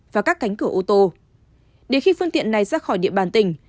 và các cánh cửa ô tô để khi phương tiện này ra khỏi địa bàn tỉnh